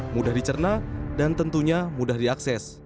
mudah dicerna dan tentunya mudah diakses